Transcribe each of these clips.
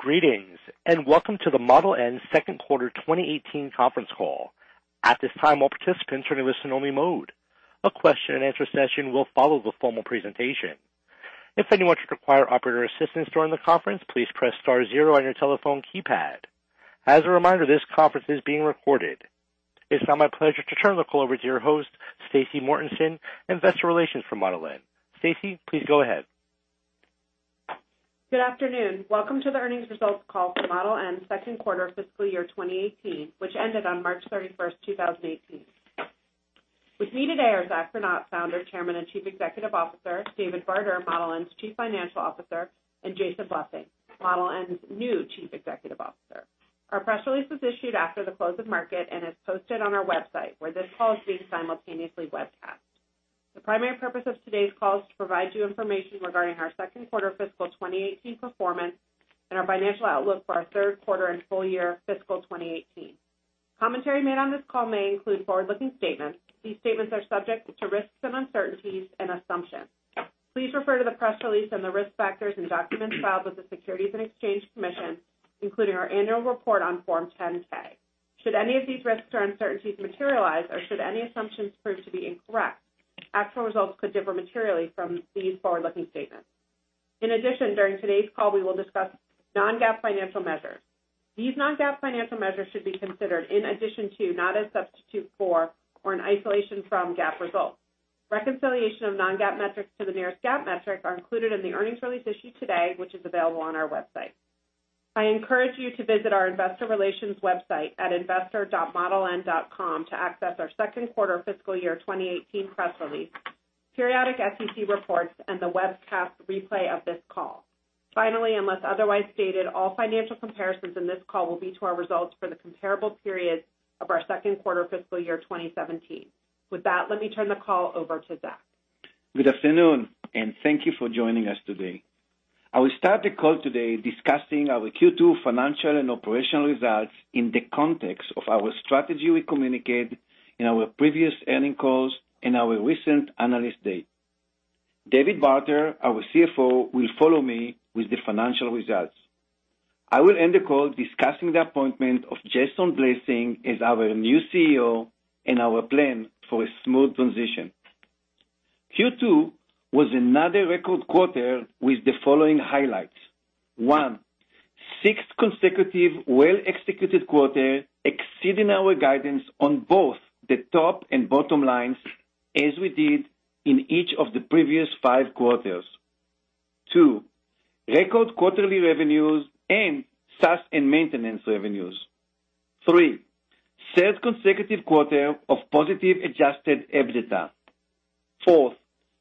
Greetings, welcome to the Model N second quarter 2018 conference call. At this time, all participants are in listen-only mode. A question-and-answer session will follow the formal presentation. If anyone should require operator assistance during the conference, please press star zero on your telephone keypad. As a reminder, this conference is being recorded. It's now my pleasure to turn the call over to your host, Staci Mortenson, Investor Relations for Model N. Staci, please go ahead. Good afternoon. Welcome to the earnings results call for Model N second quarter fiscal year 2018, which ended on March 31, 2018. With me today are Zack Rinat, Founder, Chairman, and Chief Executive Officer, David Barter, Model N's Chief Financial Officer, and Jason Blessing, Model N's new Chief Executive Officer. Our press release was issued after the close of market and is posted on our website, where this call is being simultaneously webcast. The primary purpose of today's call is to provide you information regarding our second quarter fiscal 2018 performance and our financial outlook for our third quarter and full year fiscal 2018. Commentary made on this call may include forward-looking statements. These statements are subject to risks and uncertainties and assumptions. Please refer to the press release and the risk factors in documents filed with the Securities and Exchange Commission, including our annual report on Form 10-K. Should any of these risks or uncertainties materialize, or should any assumptions prove to be incorrect, actual results could differ materially from these forward-looking statements. In addition, during today's call, we will discuss non-GAAP financial measures. These non-GAAP financial measures should be considered in addition to, not a substitute for, or an isolation from GAAP results. Reconciliation of non-GAAP metrics to the nearest GAAP metric are included in the earnings release issued today, which is available on our website. I encourage you to visit our investor relations website at investor.modeln.com to access our second quarter fiscal year 2018 press release, periodic SEC reports, and the webcast replay of this call. Finally, unless otherwise stated, all financial comparisons in this call will be to our results for the comparable period of our second quarter fiscal year 2017. With that, let me turn the call over to Zack. Good afternoon, thank you for joining us today. I will start the call today discussing our Q2 financial and operational results in the context of our strategy we communicate in our previous earnings calls and our recent Analyst Day. David Barter, our CFO, will follow me with the financial results. I will end the call discussing the appointment of Jason Blessing as our new CEO and our plan for a smooth transition. Q2 was another record quarter with the following highlights. One, sixth consecutive well-executed quarter exceeding our guidance on both the top and bottom lines as we did in each of the previous five quarters. Two, record quarterly revenues and SaaS and maintenance revenues. Three, third consecutive quarter of positive adjusted EBITDA. Fourth,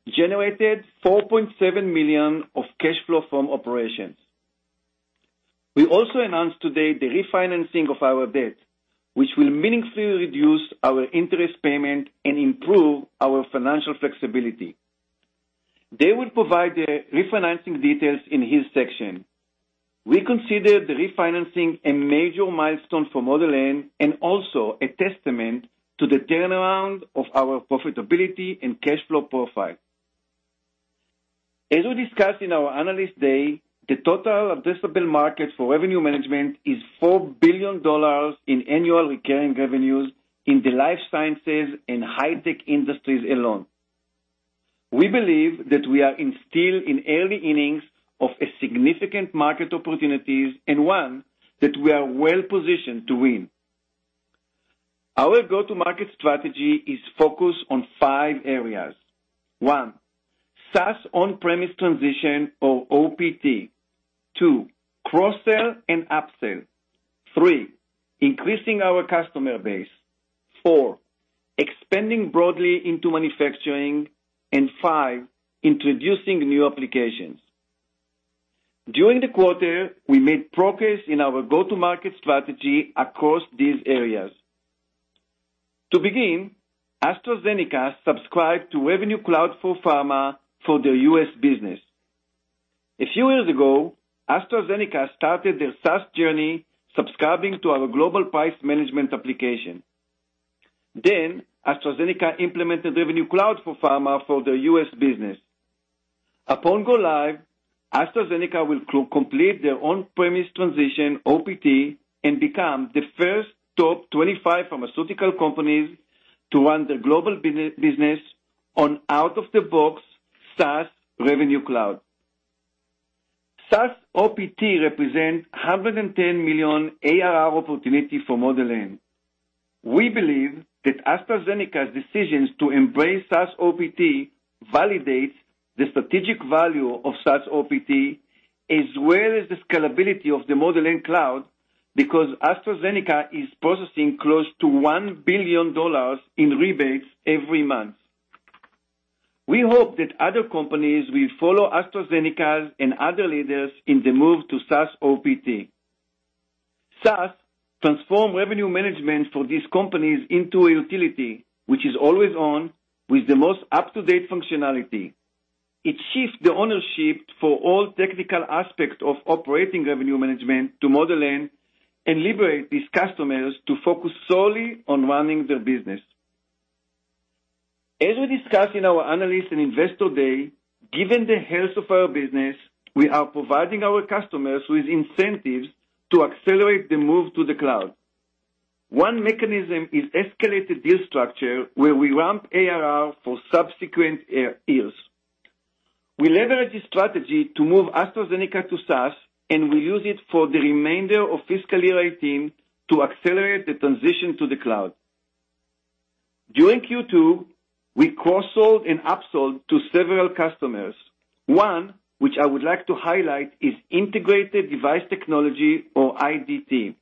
generated $4.7 million of cash flow from operations. We also announced today the refinancing of our debt, which will meaningfully reduce our interest payment and improve our financial flexibility. Dave will provide the refinancing details in his section. We consider the refinancing a major milestone for Model N and also a testament to the turnaround of our profitability and cash flow profile. As we discussed in our Analyst Day, the total addressable market for revenue management is $4 billion in annual recurring revenues in the life sciences and high-tech industries alone. We believe that we are still in early innings of a significant market opportunities and one that we are well-positioned to win. Our go-to-market strategy is focused on five areas. One, SaaS on-premise transition or OPT. Two, cross-sell and up-sell. Three, increasing our customer base. Four, expanding broadly into manufacturing. Five, introducing new applications. During the quarter, we made progress in our go-to-market strategy across these areas. To begin, AstraZeneca subscribed to Revenue Cloud for Pharma for their U.S. business. A few years ago, AstraZeneca started their SaaS journey subscribing to our Global Pricing Management application. AstraZeneca implemented Revenue Cloud for Pharma for their U.S. business. Upon go live, AstraZeneca will complete their on-premise transition, OPT, and become the first top 25 pharmaceutical companies to run their global business on out-of-the-box SaaS Revenue Cloud. SaaS OPT represent $110 million ARR opportunity for Model N. We believe that AstraZeneca's decisions to embrace SaaS OPT validates the strategic value of SaaS OPT, as well as the scalability of the Model N cloud because AstraZeneca is processing close to $1 billion in rebates every month. We hope that other companies will follow AstraZeneca and other leaders in the move to SaaS OPT. SaaS transform revenue management for these companies into a utility, which is always on with the most up-to-date functionality. It shifts the ownership for all technical aspects of operating revenue management to Model N and liberates these customers to focus solely on running their business. As we discussed in our Analyst and Investor Day, given the health of our business, we are providing our customers with incentives to accelerate the move to the cloud. One mechanism is escalated deal structure, where we ramp ARR for subsequent years. We leverage this strategy to move AstraZeneca to SaaS, and we use it for the remainder of fiscal year 2018 to accelerate the transition to the cloud. During Q2, we cross-sold and up-sold to several customers. One which I would like to highlight is Integrated Device Technology or IDT.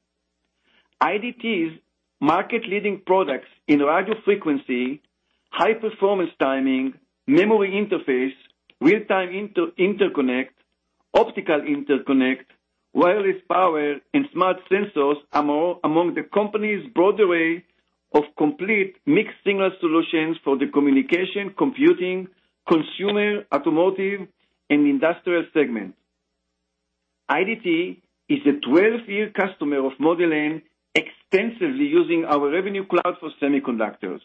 IDT's market leading products in radio frequency, high performance timing, memory interface, real-time interconnect, optical interconnect, wireless power, and smart sensors are among the company's broad array of complete mixed-signal solutions for the communication, computing, consumer, automotive, and industrial segment. IDT is a 12-year customer of Model N, extensively using our Revenue Cloud for Semiconductors.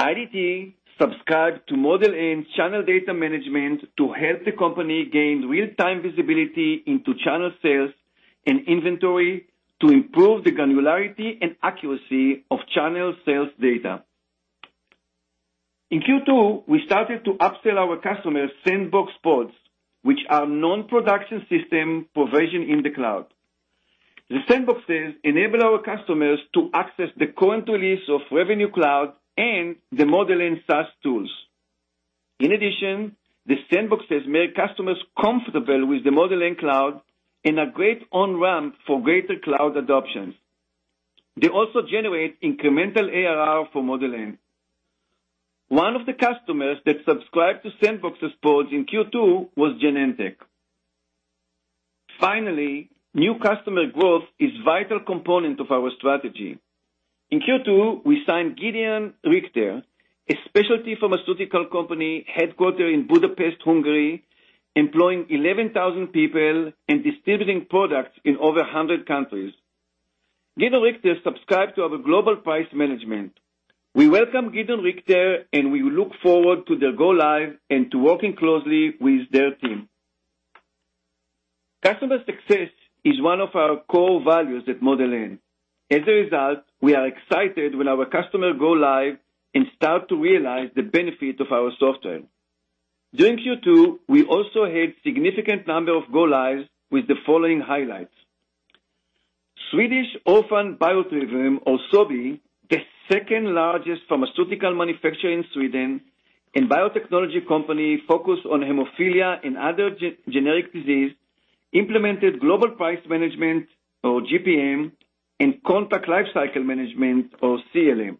IDT subscribed to Model N Channel Data Management to help the company gain real-time visibility into channel sales and inventory to improve the granularity and accuracy of channel sales data. In Q2, we started to up-sell our customers sandbox pods, which are non-production system provision in the cloud. The sandbox pods enable our customers to access the current release of Revenue Cloud and the Model N SaaS tools. In addition, the sandbox pods make customers comfortable with the Model N cloud in a great on-ramp for greater cloud adoption. They also generate incremental ARR for Model N. One of the customers that subscribed to sandbox pods in Q2 was Genentech. New customer growth is vital component of our strategy. In Q2, we signed Gedeon Richter, a specialty pharmaceutical company headquartered in Budapest, Hungary, employing 11,000 people and distributing products in over 100 countries. Gedeon Richter subscribed to our Global Pricing Management. We welcome Gedeon Richter, and we look forward to their go live and to working closely with their team. Customer success is one of our core values at Model N. As a result, we are excited when our customers go live and start to realize the benefit of our software. During Q2, we also had significant number of go lives with the following highlights. Swedish Orphan Biovitrum or Sobi, the second largest pharmaceutical manufacturer in Sweden and biotechnology company focused on hemophilia and other genetic disease, implemented Global Pricing Management or GPM and Contract Lifecycle Management or CLM.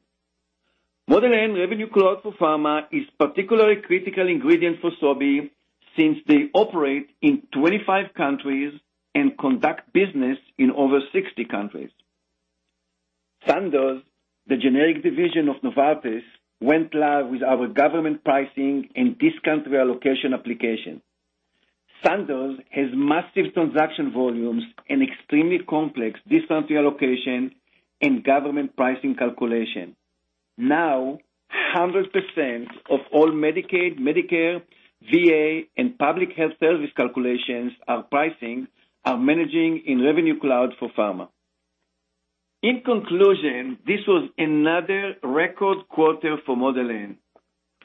Model N Revenue Cloud for Pharma is particularly critical ingredient for Sobi since they operate in 25 countries and conduct business in over 60 countries. Sandoz, the generic division of Novartis, went live with our Government Pricing and discount reallocation application. Sandoz has massive transaction volumes and extremely complex discount reallocation and Government Pricing calculation. Now, 100% of all Medicaid, Medicare, VA, and Public Health Service calculations are managed in Revenue Cloud for Pharma. In conclusion, this was another record quarter for Model N.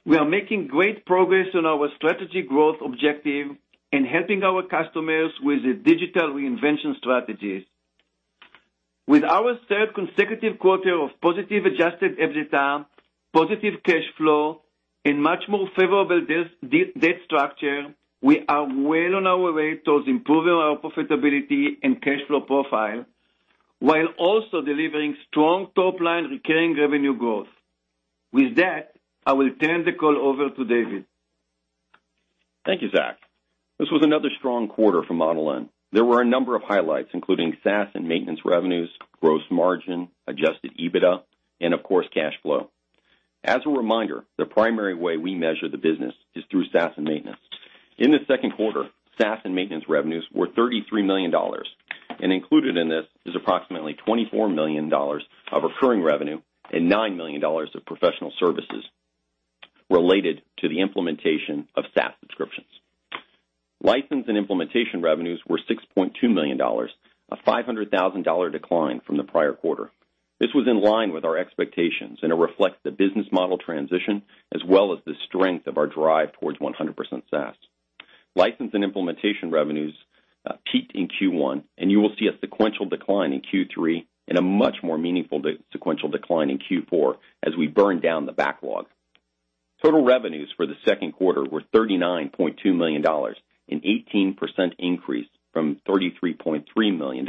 We are making great progress on our strategy growth objective and helping our customers with a digital reinvention strategies. With our third consecutive quarter of positive adjusted EBITDA, positive cash flow, and much more favorable debt structure, we are well on our way towards improving our profitability and cash flow profile, while also delivering strong top-line recurring revenue growth. With that, I will turn the call over to David. Thank you, Zack. This was another strong quarter for Model N. There were a number of highlights, including SaaS and maintenance revenues, gross margin, adjusted EBITDA, and of course, cash flow. As a reminder, the primary way we measure the business is through SaaS and maintenance. In the second quarter, SaaS and maintenance revenues were $33 million. Included in this is approximately $24 million of recurring revenue and $9 million of professional services related to the implementation of SaaS subscriptions. License and implementation revenues were $6.2 million, a $500,000 decline from the prior quarter. This was in line with our expectations, and it reflects the business model transition, as well as the strength of our drive towards 100% SaaS. License and implementation revenues peaked in Q1. You will see a sequential decline in Q3 and a much more meaningful sequential decline in Q4 as we burn down the backlog. Total revenues for the second quarter were $39.2 million, an 18% increase from $33.3 million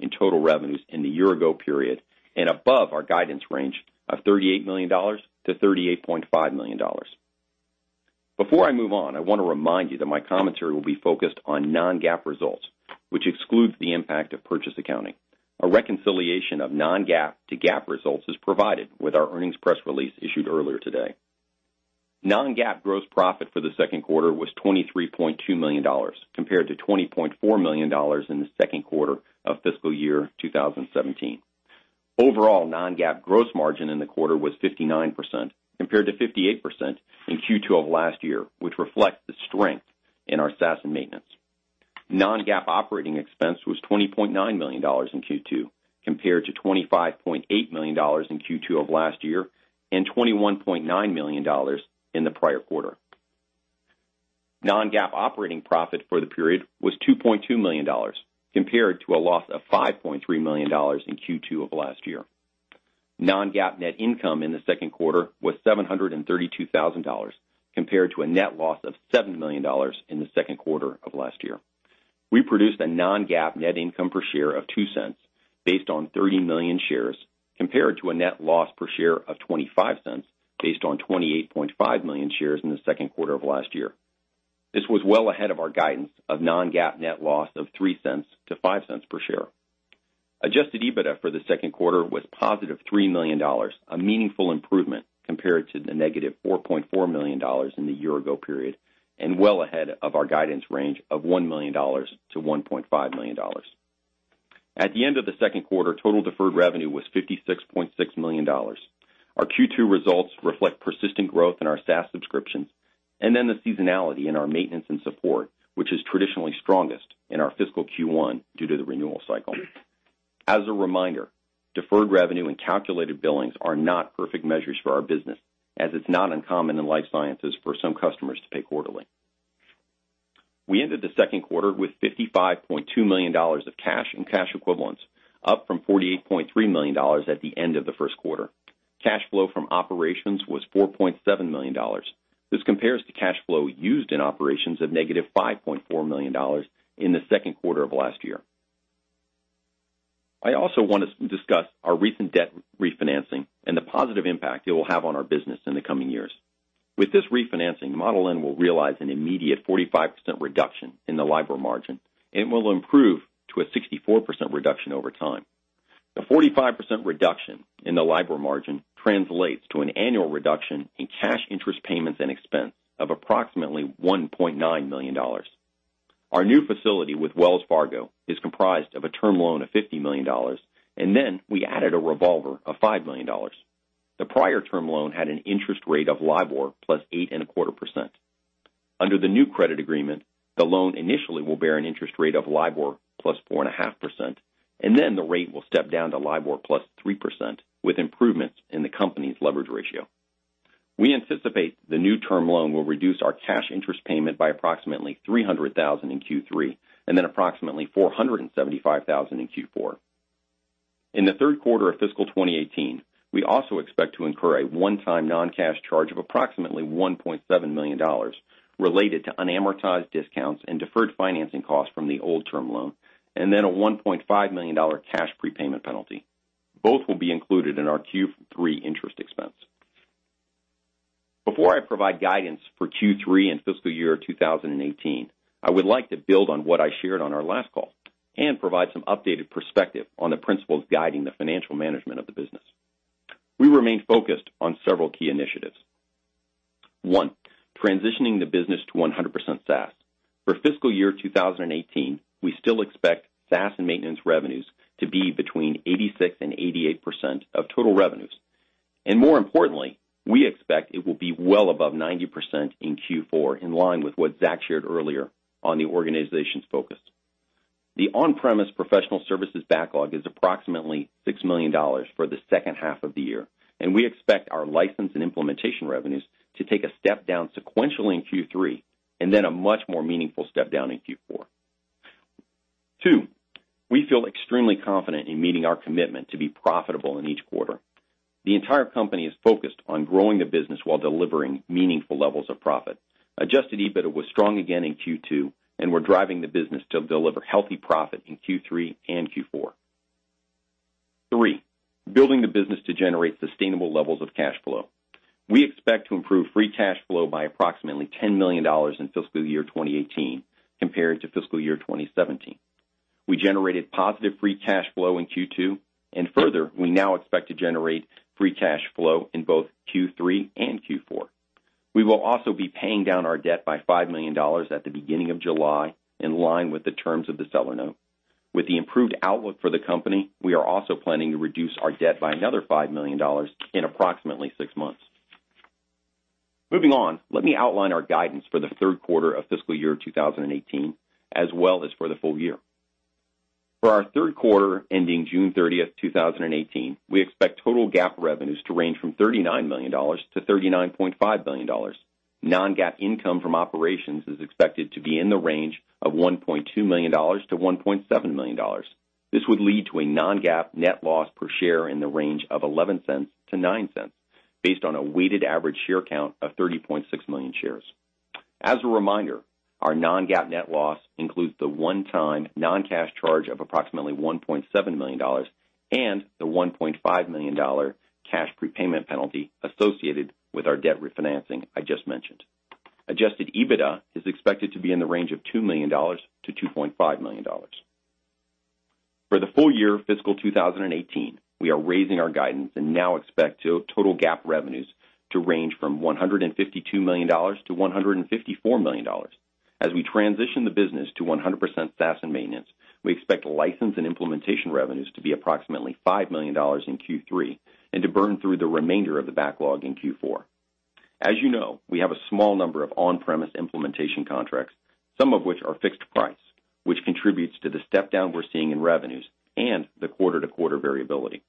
in total revenues in the year ago period, above our guidance range of $38 million-$38.5 million. Before I move on, I want to remind you that my commentary will be focused on non-GAAP results, which excludes the impact of purchase accounting. A reconciliation of non-GAAP to GAAP results is provided with our earnings press release issued earlier today. Non-GAAP gross profit for the second quarter was $23.2 million compared to $20.4 million in the second quarter of fiscal year 2017. Overall, non-GAAP gross margin in the quarter was 59% compared to 58% in Q2 of last year, which reflects the strength in our SaaS and maintenance. Non-GAAP operating expense was $20.9 million in Q2 compared to $25.8 million in Q2 of last year and $21.9 million in the prior quarter. Non-GAAP operating profit for the period was $2.2 million compared to a loss of $5.3 million in Q2 of last year. Non-GAAP net income in the second quarter was $732,000 compared to a net loss of $7 million in the second quarter of last year. We produced a non-GAAP net income per share of $0.02 based on 30 million shares compared to a net loss per share of $0.25 based on 28.5 million shares in the second quarter of last year. This was well ahead of our guidance of non-GAAP net loss of $0.03-$0.05 per share. Adjusted EBITDA for the second quarter was positive $3 million, a meaningful improvement compared to the negative $4.4 million in the year ago period, well ahead of our guidance range of $1 million-$1.5 million. At the end of the second quarter, total deferred revenue was $56.6 million. Our Q2 results reflect persistent growth in our SaaS subscriptions and the seasonality in our maintenance and support, which is traditionally strongest in our fiscal Q1 due to the renewal cycle. As a reminder, deferred revenue and calculated billings are not perfect measures for our business, it's not uncommon in life sciences for some customers to pay quarterly. We ended the second quarter with $55.2 million of cash and cash equivalents, up from $48.3 million at the end of the first quarter. Cash flow from operations was $4.7 million. This compares to cash flow used in operations of negative $5.4 million in the second quarter of last year. I also want to discuss our recent debt refinancing and the positive impact it will have on our business in the coming years. With this refinancing, Model N will realize an immediate 45% reduction in the LIBOR margin and will improve to a 64% reduction over time. The 45% reduction in the LIBOR margin translates to an annual reduction in cash interest payments and expense of approximately $1.9 million. Our new facility with Wells Fargo is comprised of a term loan of $50 million. We added a revolver of $5 million. The prior term loan had an interest rate of LIBOR plus 8.25%. Under the new credit agreement, the loan initially will bear an interest rate of LIBOR plus 4.5%, then the rate will step down to LIBOR plus 3% with improvements in the company's leverage ratio. We anticipate the new term loan will reduce our cash interest payment by approximately $300,000 in Q3, then approximately $475,000 in Q4. In the third quarter of fiscal 2018, we also expect to incur a one-time non-cash charge of approximately $1.7 million related to unamortized discounts and deferred financing costs from the old term loan, then a $1.5 million cash prepayment penalty. Both will be included in our Q3 interest expense. Before I provide guidance for Q3 and fiscal year 2018, I would like to build on what I shared on our last call and provide some updated perspective on the principles guiding the financial management of the business. We remain focused on several key initiatives. One, transitioning the business to 100% SaaS. For fiscal year 2018, we still expect SaaS and maintenance revenues to be between 86%-88% of total revenues. More importantly, we expect it will be well above 90% in Q4, in line with what Zack shared earlier on the organization's focus. The on-premise professional services backlog is approximately $6 million for the second half of the year, and we expect our license and implementation revenues to take a step down sequentially in Q3, then a much more meaningful step down in Q4. Two, we feel extremely confident in meeting our commitment to be profitable in each quarter. The entire company is focused on growing the business while delivering meaningful levels of profit. Adjusted EBITDA was strong again in Q2, and we're driving the business to deliver healthy profit in Q3 and Q4. Three, building the business to generate sustainable levels of cash flow. We expect to improve free cash flow by approximately $10 million in fiscal year 2018 compared to fiscal year 2017. We generated positive free cash flow in Q2, and further, we now expect to generate free cash flow in both Q3 and Q4. We will also be paying down our debt by $5 million at the beginning of July, in line with the terms of the seller note. With the improved outlook for the company, we are also planning to reduce our debt by another $5 million in approximately six months. Moving on, let me outline our guidance for the third quarter of fiscal year 2018, as well as for the full year. For our third quarter ending June 30th, 2018, we expect total GAAP revenues to range from $39 million-$39.5 million. Non-GAAP income from operations is expected to be in the range of $1.2 million-$1.7 million. This would lead to a non-GAAP net loss per share in the range of $0.11-$0.09 based on a weighted average share count of 30.6 million shares. As a reminder, our non-GAAP net loss includes the one-time non-cash charge of approximately $1.7 million and the $1.5 million cash prepayment penalty associated with our debt refinancing I just mentioned. Adjusted EBITDA is expected to be in the range of $2 million-$2.5 million. For the full year fiscal 2018, we are raising our guidance and now expect total GAAP revenues to range from $152 million-$154 million. As we transition the business to 100% SaaS and maintenance, we expect license and implementation revenues to be approximately $5 million in Q3 and to burn through the remainder of the backlog in Q4. As you know, we have a small number of on-premise implementation contracts, some of which are fixed price, which contributes to the step-down we are seeing in revenues and the quarter-to-quarter variability.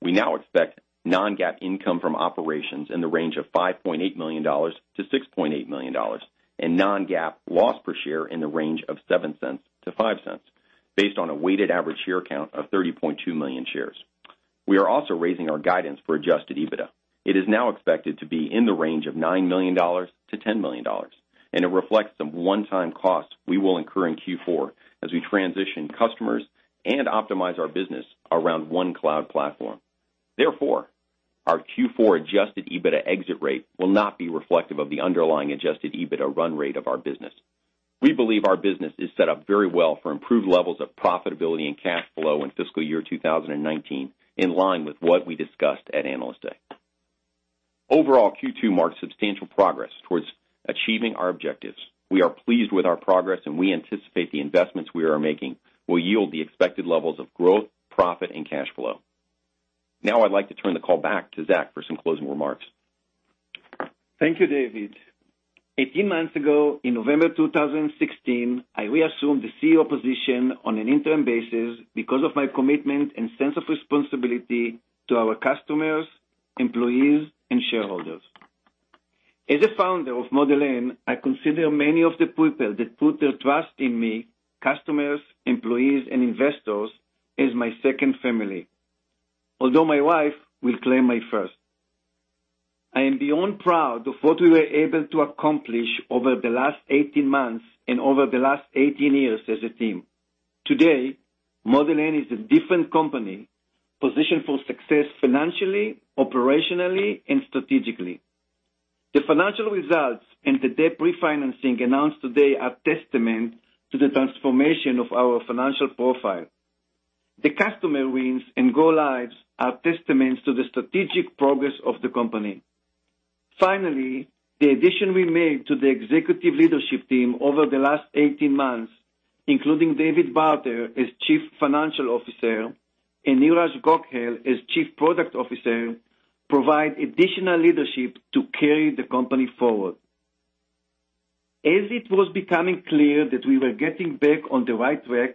We now expect non-GAAP income from operations in the range of $5.8 million-$6.8 million and non-GAAP loss per share in the range of $0.07-$0.05 based on a weighted average share count of 30.2 million shares. We are also raising our guidance for Adjusted EBITDA. It is now expected to be in the range of $9 million-$10 million. It reflects some one-time costs we will incur in Q4 as we transition customers and optimize our business around one cloud platform. Therefore, our Q4 Adjusted EBITDA exit rate will not be reflective of the underlying Adjusted EBITDA run rate of our business. We believe our business is set up very well for improved levels of profitability and cash flow in fiscal year 2019, in line with what we discussed at Analyst Day. Overall, Q2 marks substantial progress towards achieving our objectives. We are pleased with our progress, and we anticipate the investments we are making will yield the expected levels of growth, profit, and cash flow. I'd like to turn the call back to Zack for some closing remarks. Thank you, David. 18 months ago, in November 2016, I reassumed the CEO position on an interim basis because of my commitment and sense of responsibility to our customers, employees, and shareholders. As a founder of Model N, I consider many of the people that put their trust in me, customers, employees, and investors, as my second family. Although my wife will claim my first. I am beyond proud of what we were able to accomplish over the last 18 months and over the last 18 years as a team. Today, Model N is a different company, positioned for success financially, operationally, and strategically. The financial results and the debt refinancing announced today are testament to the transformation of our financial profile. The customer wins and go lives are testaments to the strategic progress of the company. The addition we made to the executive leadership team over the last 18 months, including David Barter as Chief Financial Officer and Neeraj Gokhale as Chief Product Officer, provide additional leadership to carry the company forward. As it was becoming clear that we were getting back on the right track,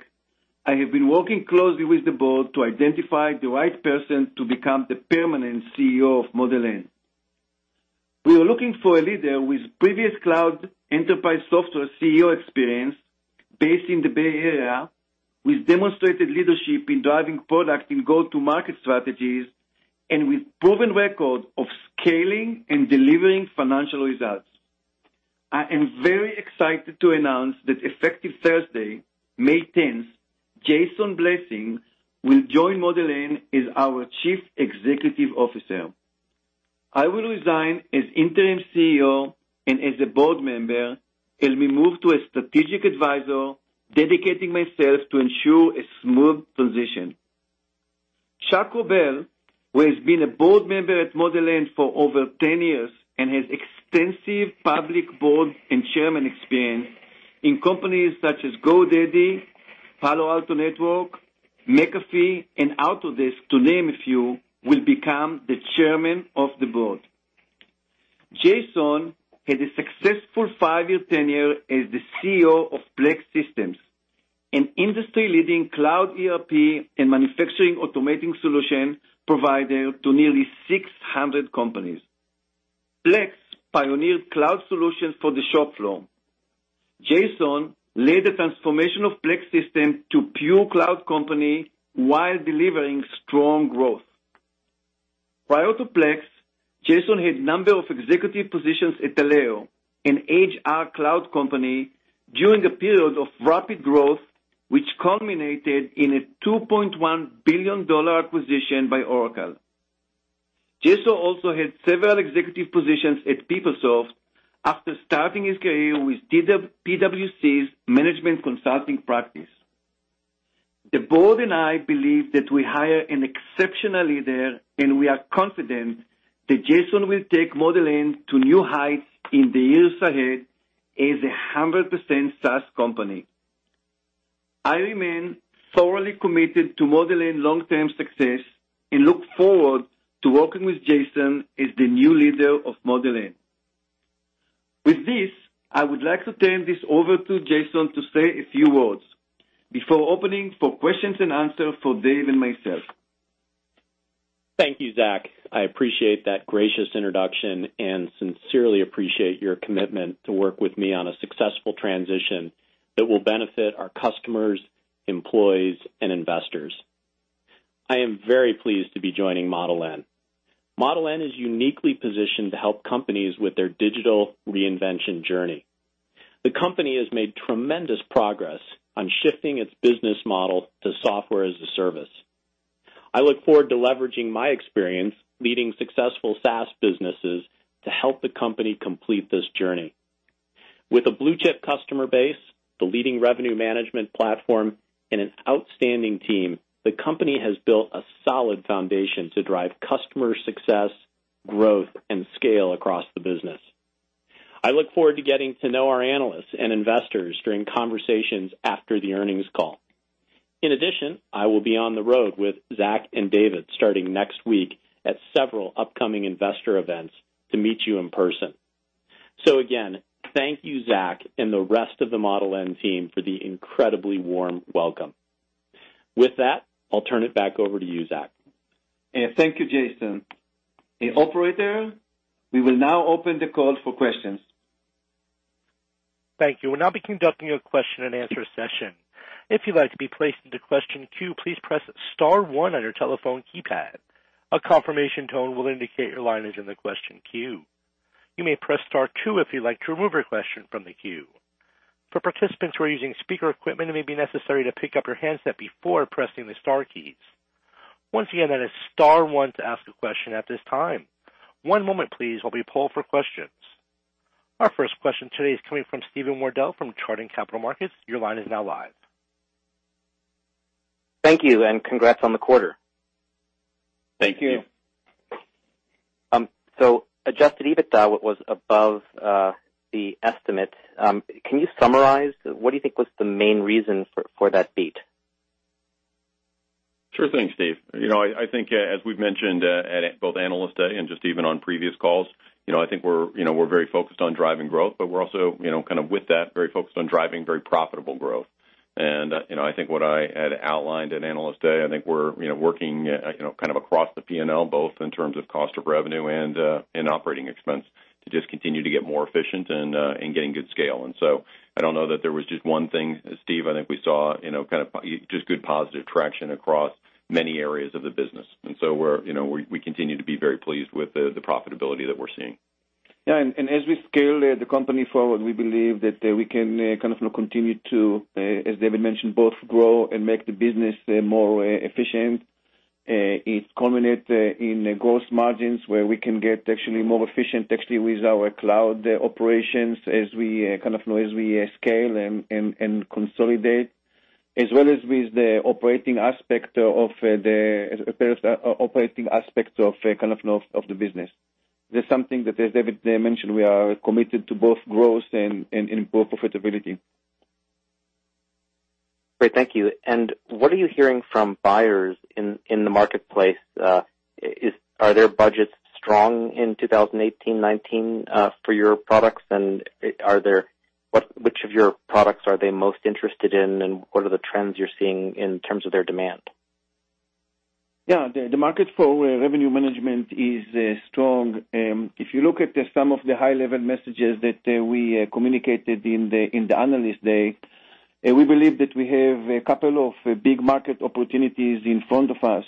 I have been working closely with the board to identify the right person to become the permanent CEO of Model N. We were looking for a leader with previous cloud enterprise software CEO experience based in the Bay Area, with demonstrated leadership in driving product and go-to-market strategies, and with proven record of scaling and delivering financial results. I am very excited to announce that effective Thursday, May 10th, Jason Blessing will join Model N as our Chief Executive Officer. I will resign as interim CEO and as a board member, will move to a strategic advisor, dedicating myself to ensure a smooth transition. Chuck Robel, who has been a board member at Model N for over 10 years and has extensive public board and chairman experience in companies such as GoDaddy, Palo Alto Networks, McAfee, and Autodesk, to name a few, will become the chairman of the board. Jason had a successful five-year tenure as the CEO of Plex Systems, an industry-leading cloud ERP and manufacturing automating solution provider to nearly 600 companies. Plex pioneered cloud solutions for the shop floor. Jason led the transformation of Plex Systems to pure cloud company while delivering strong growth. Prior to Plex, Jason had number of executive positions at Taleo, an HR cloud company, during a period of rapid growth, which culminated in a $2.1 billion acquisition by Oracle. Jason also had several executive positions at PeopleSoft after starting his career with PwC's management consulting practice. The board and I believe that we hired an exceptional leader, we are confident that Jason will take Model N to new heights in the years ahead as 100% SaaS company. I remain thoroughly committed to Model N long-term success and look forward to working with Jason as the new leader of Model N. With this, I would like to turn this over to Jason to say a few words before opening for questions and answers for Dave and myself. Thank you, Zack. I appreciate that gracious introduction and sincerely appreciate your commitment to work with me on a successful transition that will benefit our customers, employees, and investors. I am very pleased to be joining Model N. Model N is uniquely positioned to help companies with their digital reinvention journey. The company has made tremendous progress on shifting its business model to software as a service. I look forward to leveraging my experience leading successful SaaS businesses to help the company complete this journey. With a blue-chip customer base, the leading revenue management platform, and an outstanding team, the company has built a solid foundation to drive customer success, growth, and scale across the business. I look forward to getting to know our analysts and investors during conversations after the earnings call. In addition, I will be on the road with Zack and David starting next week at several upcoming investor events to meet you in person. Again, thank you, Zack, and the rest of the Model N team for the incredibly warm welcome. With that, I'll turn it back over to you, Zack. Thank you, Jason. Operator, we will now open the call for questions. Thank you. We'll now be conducting a question and answer session. If you'd like to be placed into question queue, please press star one on your telephone keypad. A confirmation tone will indicate your line is in the question queue. You may press star two if you'd like to remove your question from the queue. For participants who are using speaker equipment, it may be necessary to pick up your handset before pressing the star keys. Once again, that is star one to ask a question at this time. One moment please while we poll for questions. Our first question today is coming from Steve Wardell from Chardan Capital Markets. Your line is now live. Thank you. Congrats on the quarter. Thank you. Thank you. Adjusted EBITDA was above the estimates. Can you summarize, what do you think was the main reason for that beat? Sure thing, Steve. I think, as we've mentioned at both Analyst Day and just even on previous calls, I think we're very focused on driving growth, but we're also, kind of with that, very focused on driving very profitable growth. I think what I had outlined at Analyst Day, I think we're working kind of across the P&L, both in terms of cost of revenue and operating expense to just continue to get more efficient and getting good scale. I don't know that there was just one thing, Steve. I think we saw just good positive traction across many areas of the business. We continue to be very pleased with the profitability that we're seeing. As we scale the company forward, we believe that we can kind of now continue to, as David mentioned, both grow and make the business more efficient. It culminates in gross margins, where we can get actually more efficient technically with our cloud operations as we scale and consolidate, as well as with the operating aspect of the business. That's something that, as David mentioned, we are committed to both growth and improved profitability. Great. Thank you. What are you hearing from buyers in the marketplace? Are their budgets strong in 2018, 2019, for your products? Which of your products are they most interested in? What are the trends you're seeing in terms of their demand? The market for revenue management is strong. If you look at some of the high-level messages that we communicated in the Analyst Day, we believe that we have a couple of big market opportunities in front of us.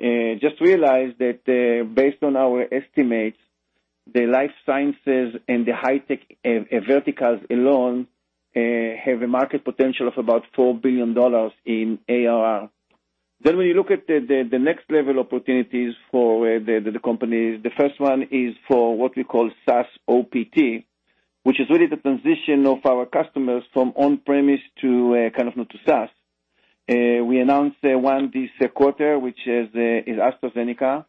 Just realize that based on our estimates, the life sciences and the high-tech verticals alone have a market potential of about $4 billion in ARR. When you look at the next level opportunities for the company, the first one is for what we call SaaS OPT, which is really the transition of our customers from on-premise to kind of now to SaaS. We announced one this quarter, which is AstraZeneca.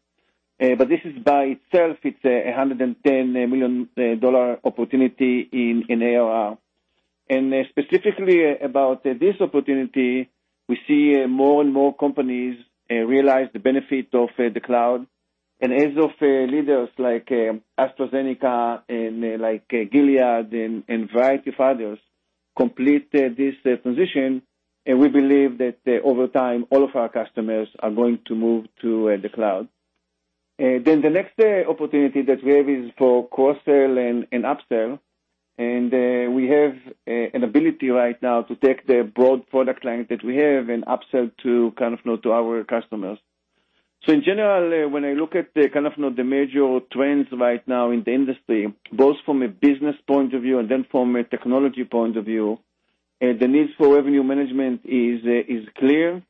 This is by itself, it's a $110 million opportunity in ARR. Specifically about this opportunity, we see more and more companies realize the benefit of the cloud. As of leaders like AstraZeneca and like Gilead and variety of others complete this transition, we believe that over time, all of our customers are going to move to the cloud. The next opportunity that we have is for cross-sell and up-sell. We have an ability right now to take the broad product line that we have and upsell to our customers. In general, when I look at the major trends right now in the industry, both from a business point of view and from a technology point of view, the needs for revenue management is clear,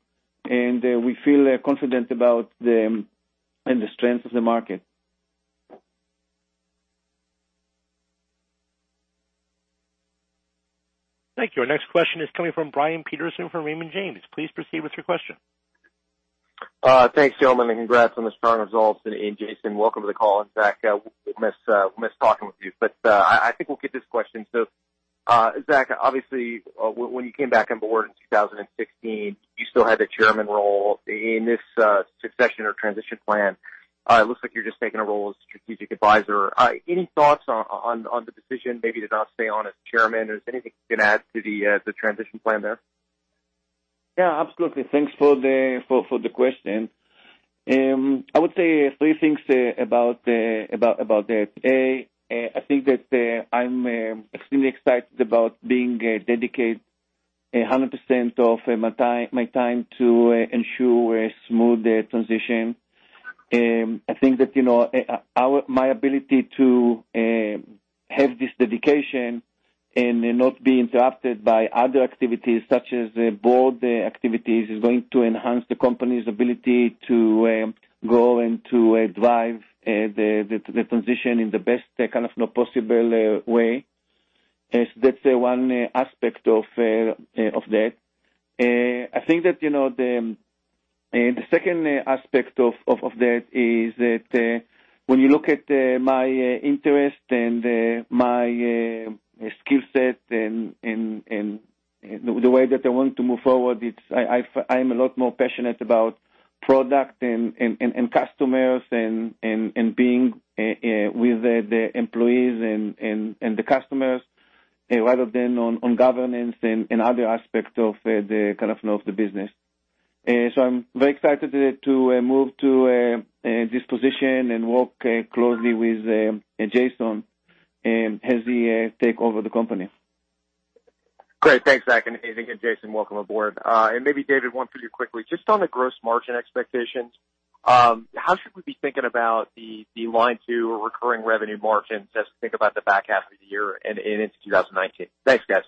and we feel confident about the strength of the market. Thank you. Our next question is coming from Brian Peterson from Raymond James. Please proceed with your question. Thanks, gentlemen, and congrats on the strong results. Jason, welcome to the call. Zack, we miss talking with you. I think we'll get this question. Zack, obviously, when you came back on board in 2016, you still had the chairman role. In this succession or transition plan, it looks like you're just taking a role as strategic advisor. Any thoughts on the decision maybe to not stay on as chairman, or is there anything you can add to the transition plan there? Absolutely. Thanks for the question. I would say three things about that. I think that I'm extremely excited about being dedicated 100% of my time to ensure a smooth transition. I think that my ability to have this dedication and not be interrupted by other activities such as board activities is going to enhance the company's ability to grow and to drive the transition in the best possible way. That's one aspect of that. I think that the second aspect of that is that when you look at my interest and my skillset and the way that I want to move forward, I'm a lot more passionate about product and customers and being with the employees and the customers, rather than on governance and other aspects of the business. I'm very excited to move to this position and work closely with Jason as he takes over the company. Great. Thanks, Zack, and Jason, welcome aboard. Maybe David, one for you quickly, just on the gross margin expectations, how should we be thinking about the line two recurring revenue margins as we think about the back half of the year and into 2019? Thanks, guys.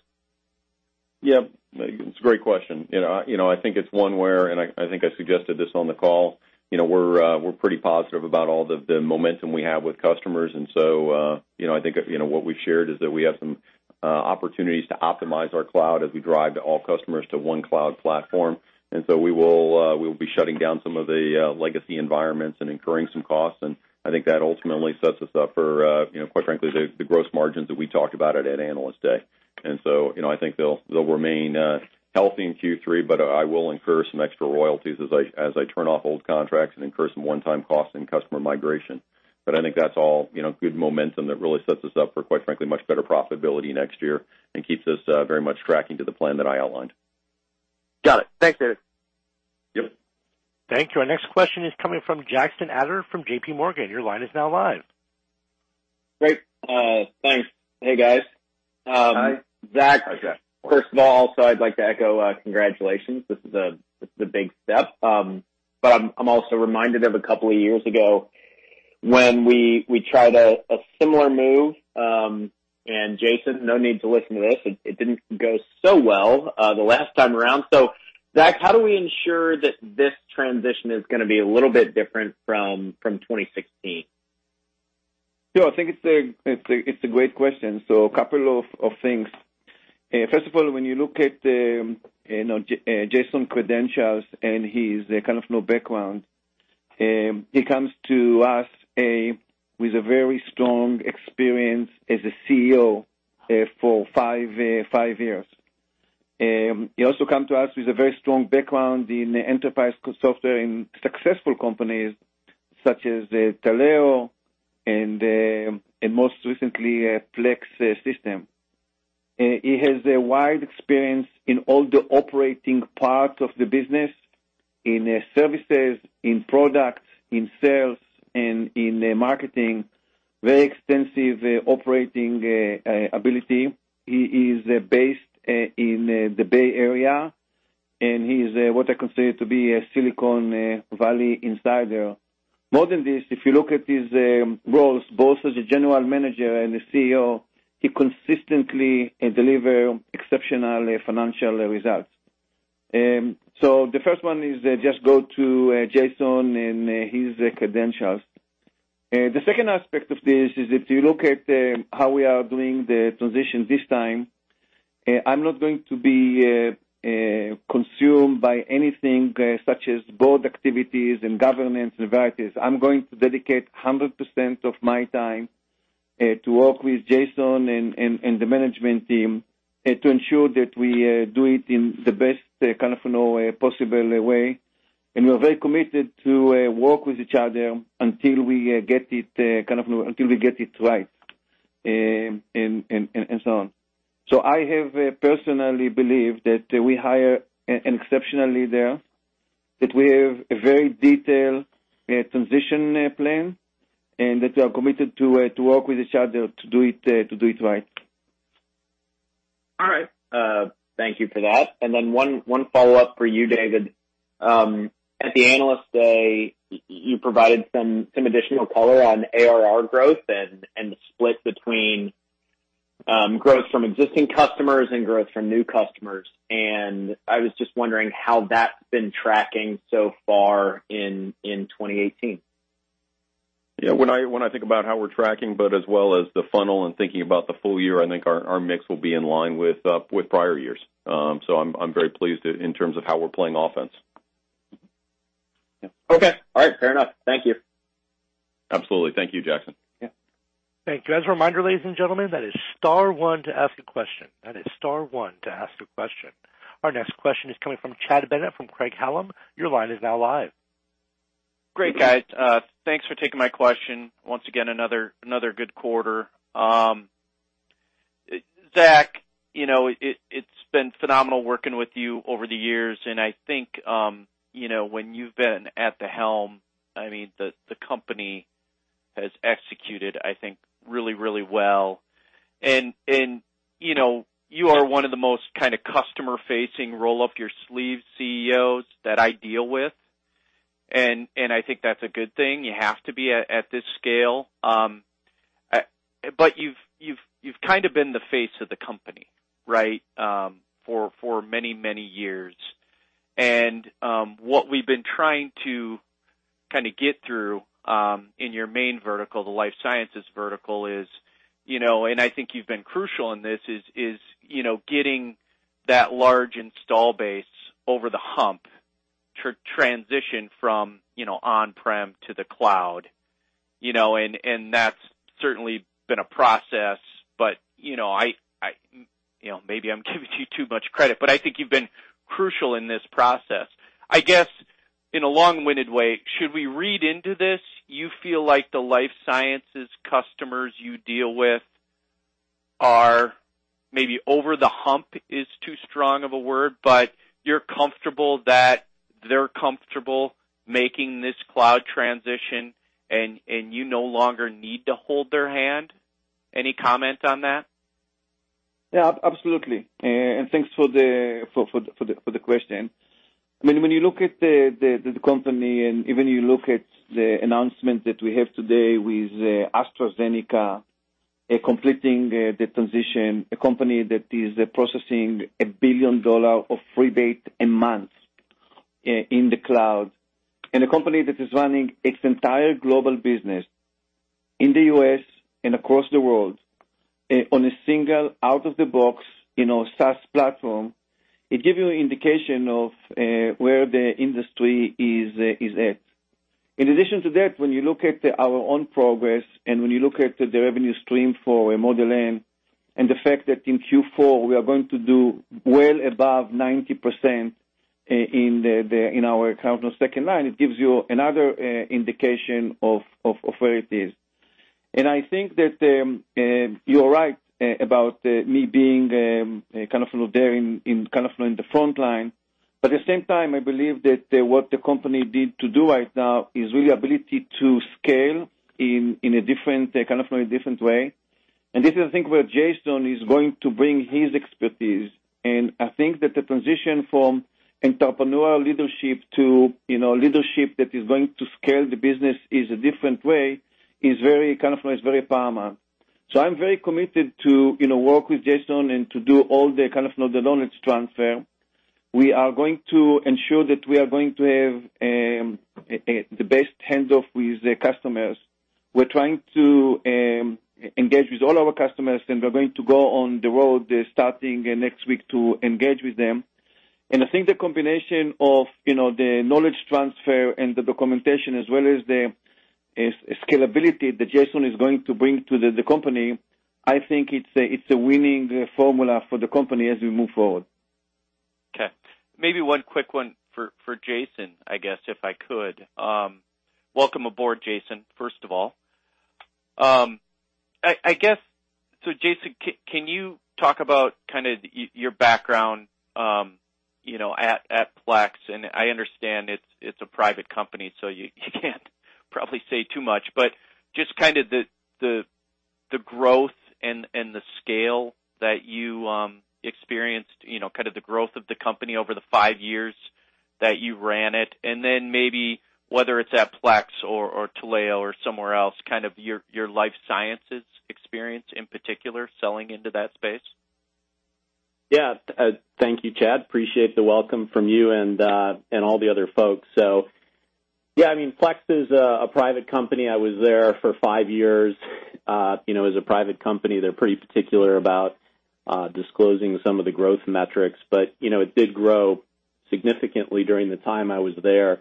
Yeah, it's a great question. I think it's one where, and I think I suggested this on the call, we're pretty positive about all the momentum we have with customers. I think what we've shared is that we have some opportunities to optimize our cloud as we drive all customers to one cloud platform. We will be shutting down some of the legacy environments and incurring some costs, and I think that ultimately sets us up for, quite frankly, the gross margins that we talked about at Analyst Day. I think they'll remain healthy in Q3, but I will incur some extra royalties as I turn off old contracts and incur some one-time costs in customer migration. I think that's all good momentum that really sets us up for, quite frankly, much better profitability next year and keeps us very much tracking to the plan that I outlined. Got it. Thanks, David. Yep. Thank you. Our next question is coming from Jackson Ader from JPMorgan. Your line is now live. Great. Thanks. Hey, guys. Hi. Hi, Jackson. Zack, first of all, I'd like to echo congratulations. This is a big step. I'm also reminded of a couple of years ago when we tried a similar move. Jason, no need to listen to this, it didn't go so well the last time around. Zack, how do we ensure that this transition is going to be a little bit different from 2016? Sure. I think it's a great question. A couple of things. First of all, when you look at Jason's credentials and his background, he comes to us with very strong experience as a CEO for five years. He also comes to us with a very strong background in enterprise software in successful companies such as Taleo, and most recently, Plex Systems. He has a wide experience in all the operating parts of the business, in services, in product, in sales, and in marketing, very extensive operating ability. He is based in the Bay Area, and he's what I consider to be a Silicon Valley insider. More than this, if you look at his roles, both as a general manager and a CEO, he consistently delivers exceptional financial results. The first one is just go to Jason and his credentials. The second aspect of this is if you look at how we are doing the transition this time, I'm not going to be consumed by anything such as board activities and governance and varieties. I'm going to dedicate 100% of my time to work with Jason and the management team to ensure that we do it in the best possible way. We're very committed to work with each other until we get it right, and so on. I have personally believed that we hire an exceptional leader, that we have a very detailed transition plan, and that we are committed to work with each other to do it right. All right. Thank you for that. Then one follow-up for you, David. At the Analyst Day, you provided some additional color on ARR growth and the split between growth from existing customers and growth from new customers. I was just wondering how that's been tracking so far in 2018. Yeah, when I think about how we're tracking, but as well as the funnel and thinking about the full year, I think our mix will be in line with prior years. I'm very pleased in terms of how we're playing offense. Okay. All right. Fair enough. Thank you. Absolutely. Thank you, Jackson. Yeah. Thank you. As a reminder, ladies and gentlemen, that is star one to ask a question. That is star one to ask a question. Our next question is coming from Chad Bennett from Craig-Hallum. Your line is now live. Great. Guys, thanks for taking my question. Once again, another good quarter. Zack, it's been phenomenal working with you over the years, and I think when you've been at the helm, the company has executed, I think, really, really well. You are one of the most customer-facing, roll-up-your-sleeve CEOs that I deal with, and I think that's a good thing. You have to be at this scale. You've kind of been the face of the company, right? For many, many years. What we've been trying to get through in your main vertical, the life sciences vertical is, and I think you've been crucial in this, is getting that large install base over the hump, transition from on-prem to the cloud. That's certainly been a process. Maybe I'm giving you too much credit, but I think you've been crucial in this process. I guess, in a long-winded way, should we read into this? You feel like the life sciences customers you deal with are, maybe over the hump is too strong of a word, but you're comfortable that they're comfortable making this cloud transition, and you no longer need to hold their hand? Any comment on that? Yeah, absolutely. Thanks for the question. When you look at the company and even you look at the announcement that we have today with AstraZeneca, completing the transition, a company that is processing $1 billion of rebate a month in the cloud, a company that is running its entire global business in the U.S. and across the world on a single out-of-the-box, SaaS platform, it gives you an indication of where the industry is at. In addition to that, when you look at our own progress and when you look at the revenue stream for Model N, the fact that in Q4, we are going to do well above 90% in our account on second line, it gives you another indication of where it is. I think that you're right about me being there in the front line. At the same time, I believe that what the company need to do right now is really ability to scale in a different way. This is, I think, where Jason is going to bring his expertise. I think that the transition from entrepreneurial leadership to leadership that is going to scale the business in a different way is very paramount. I'm very committed to work with Jason and to do all the knowledge transfer. We are going to ensure that we are going to have the best hands-off with the customers. We're trying to engage with all our customers, and we're going to go on the road starting next week to engage with them. I think the combination of the knowledge transfer and the documentation as well as the scalability that Jason is going to bring to the company, I think it's a winning formula for the company as we move forward. Okay. Maybe one quick one for Jason, I guess, if I could. Welcome aboard, Jason, first of all. Jason, can you talk about your background at Plex? I understand it's a private company, so you can't probably say too much, but just the growth and the scale that you experienced, the growth of the company over the five years that you ran it, and then maybe whether it's at Plex or Taleo or somewhere else, your life sciences experience in particular, selling into that space. Thank you, Chad. Appreciate the welcome from you and all the other folks. Plex is a private company. I was there for five years. As a private company, they're pretty particular about disclosing some of the growth metrics. It did grow significantly during the time I was there.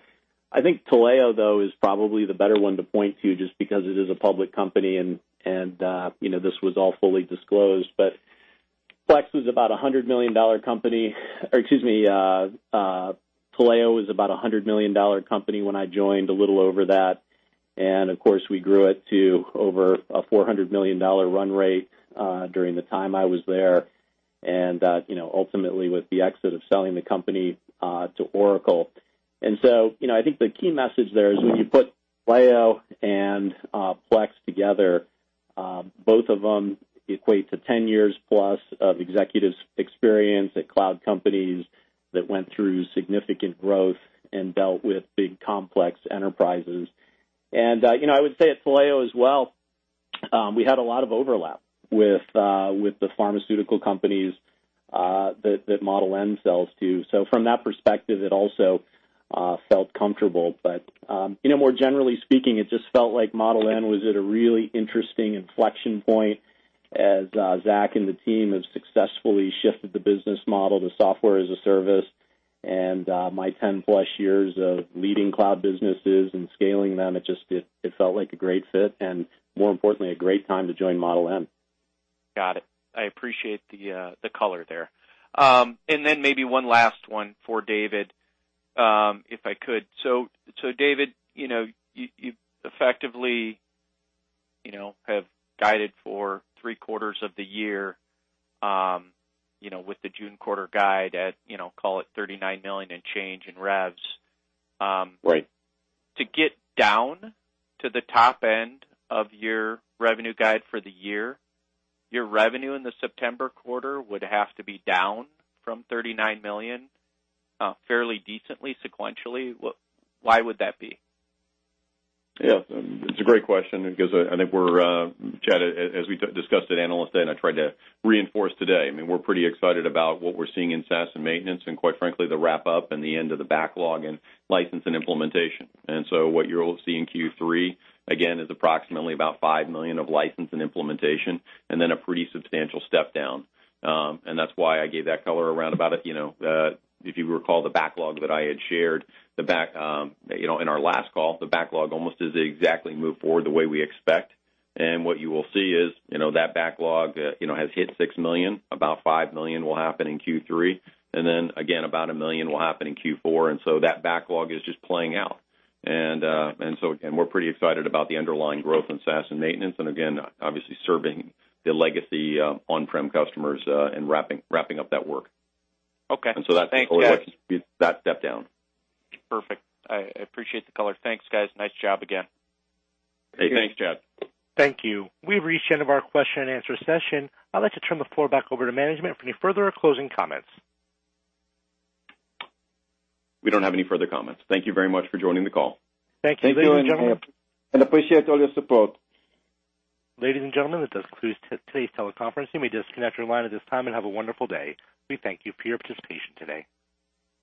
I think Taleo, though, is probably the better one to point to just because it is a public company, and this was all fully disclosed. Plex was about $100 million company. Excuse me, Taleo was about $100 million company when I joined, a little over that. Of course, we grew it to over a $400 million run rate during the time I was there, and ultimately with the exit of selling the company to Oracle. I think the key message there is when you put Taleo and Plex together, both of them equate to 10 years plus of executive experience at cloud companies that went through significant growth and dealt with big, complex enterprises. I would say at Taleo as well, we had a lot of overlap with the pharmaceutical companies that Model N sells to. From that perspective, it also felt comfortable. More generally speaking, it just felt like Model N was at a really interesting inflection point as Zack and the team have successfully shifted the business model to Software as a Service, and my 10-plus years of leading cloud businesses and scaling them, it felt like a great fit, and more importantly, a great time to join Model N. Got it. I appreciate the color there. Maybe one last one for David, if I could. David, you effectively have guided for three quarters of the year with the June quarter guide at, call it $39 million and change in revs. Right. To get down to the top end of your revenue guide for the year, your revenue in the September quarter would have to be down from $39 million fairly decently sequentially. Why would that be? Yeah. It's a great question because I think we're, Chad Bennett, as we discussed at Analyst Day, I tried to reinforce today, we're pretty excited about what we're seeing in SaaS and maintenance. Quite frankly, the wrap-up and the end of the backlog and license and implementation. What you'll see in Q3, again, is approximately about $5 million of license and implementation, then a pretty substantial step down. That's why I gave that color around about it. If you recall the backlog that I had shared in our last call, the backlog almost is exactly moved forward the way we expect. What you will see is that backlog has hit $6 million. About $5 million will happen in Q3, then again, about $1 million will happen in Q4, that backlog is just playing out. We're pretty excited about the underlying growth in SaaS and maintenance. Again, obviously serving the legacy on-prem customers and wrapping up that work. Okay. Thanks, guys. That step down. Perfect. I appreciate the color. Thanks, guys. Nice job again. Hey, thanks, Chad. Thank you. We've reached the end of our question and answer session. I'd like to turn the floor back over to management for any further or closing comments. We don't have any further comments. Thank you very much for joining the call. Thank you. Appreciate all your support. Ladies and gentlemen, that does conclude today's teleconference. You may disconnect your line at this time. Have a wonderful day. We thank you for your participation today.